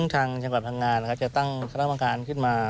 ทางจังหวัดพังงานจะตั้งคณะกรรมการขึ้นมา